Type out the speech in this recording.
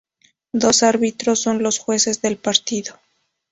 Dos árbitros son los jueces del partido.